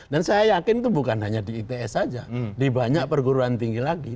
dan saya yakin itu bukan hanya di its saja di banyak perguruan tinggi lagi